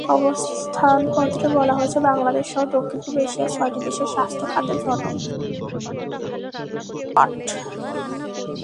অবস্থানপত্রে বলা হয়, বাংলাদেশসহ দক্ষিণ-পূর্ব এশিয়ার ছয়টি দেশের স্বাস্থ্য খাতে জনবলসংকট প্রকট।